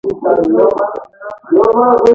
د جوارو د قطارونو ترمنځ فاصله څومره وي؟